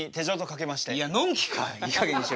いいかげんにしろ。